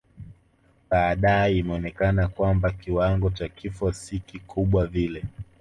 Baadae imeonekana kwamba kiwango cha vifo si kubwa vile